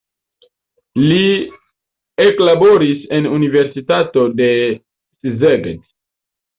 Li eklaboris en universitato de Szeged.